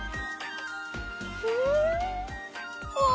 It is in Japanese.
うん！